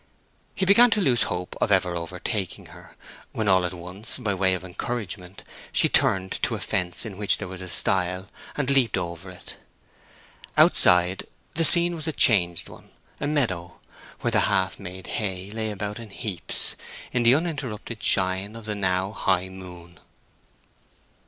He began to lose hope of ever overtaking her, when all at once, by way of encouragement, she turned to a fence in which there was a stile and leaped over it. Outside the scene was a changed one—a meadow, where the half made hay lay about in heaps, in the uninterrupted shine of the now high moon.